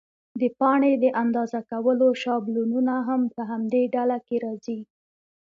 د پاڼې د اندازه کولو شابلونونه هم په همدې ډله کې راځي.